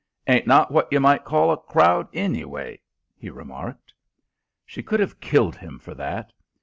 "Ain't not what you might call a crowd, anyway," he remarked. She could have killed him for that!